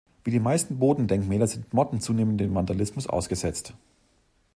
Wie die meisten Bodendenkmäler sind Motten zunehmend dem Vandalismus ausgesetzt.